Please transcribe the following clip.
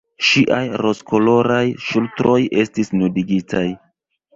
Ŝiaj rozkoloraj ŝultroj estis nudigitaj.